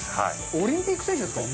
オリンピック選手ですか？